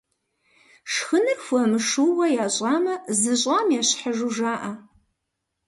Шхыныр хуэмышууэ ящӀамэ, зыщӀам ещхьыжу жаӀэ.